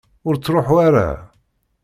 Ur ttṛuḥu ara!